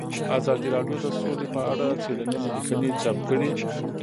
ازادي راډیو د سوله په اړه څېړنیزې لیکنې چاپ کړي.